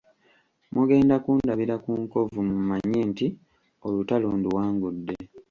Mugenda kundabira ku nkovu mumanye nti olutalo nduwangudde.